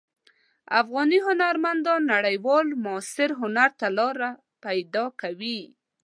افغاني هنرمندان نړیوال معاصر هنر ته لاره پیدا کوي.